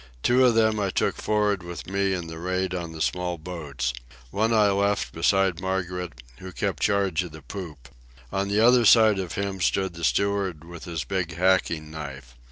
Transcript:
Two of them I took for'ard with me in the raid on the small boats. One I left beside Margaret, who kept charge of the poop. On the other side of him stood the steward with his big hacking knife.